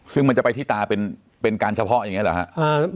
ซึ่งมันจะไปที่ตาเป็นการเฉพาะอย่างนี้เหรอครับ